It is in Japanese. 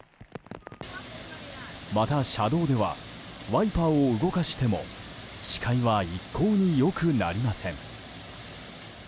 また、車道ではワイパーを動かしても視界は一向に良くなりません。